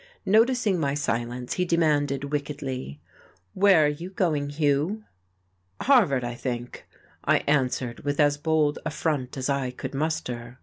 Noticing my silence, he demanded wickedly: "Where are you going, Hugh?" "Harvard, I think," I answered with as bold a front as I could muster.